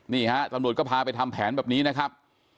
นี่ฮะตำรวจก็พาไปทำแผนแบบนี้นะครับ